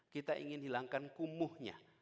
kita ingin menghilangkan kumuhnya